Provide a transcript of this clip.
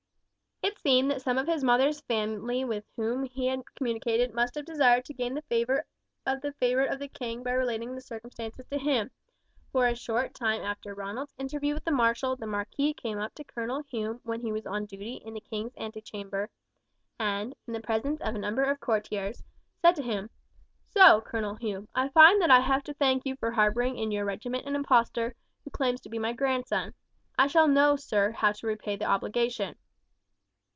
It seemed that some of his mother's family with whom he had communicated must have desired to gain the favour of the favourite of the king by relating the circumstances to him, for a short time after Ronald's interview with the marshal the marquis came up to Colonel Hume when he was on duty in the king's antechamber, and, in the presence of a number of courtiers, said to him: "So, Colonel Hume, I find that I have to thank you for harbouring in your regiment an imposter, who claims to be my grandson. I shall know, sir, how to repay the obligation."